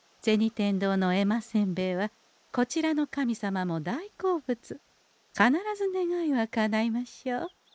天堂の絵馬せんべいはこちらの神様も大好物必ず願いはかないましょう。